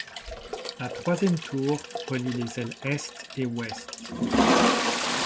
La troisième tour relie les ailes Est et Ouest.